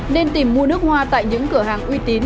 nên tìm mua nước hoa tại những cửa hàng uy tín